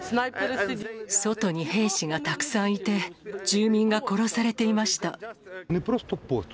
外に兵士がたくさんいて、住民が殺されていました。